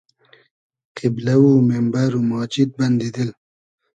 قیبلۂ و میمبئر و ماجید بئندی دیل